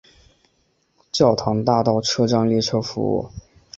教堂大道车站列车服务。